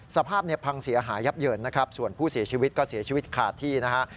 สภาพเนี่ยพังเสียหายยับเยินนะครับส่วนผู้เสียชีวิตก็เสียชีวิตขาดที่นะฮะ